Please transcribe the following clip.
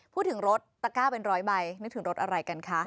พูดถึงรถตะก้าเป็นร้อยใบนึกถึงรถอะไรกันคะ